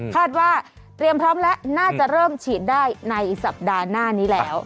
คาดว่าเตรียมพร้อมแล้วน่าจะเริ่มฉีดได้ในสัปดาห์หน้านี้แล้ว